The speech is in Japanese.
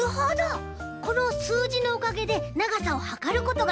このすうじのおかげでながさをはかることができるんですね。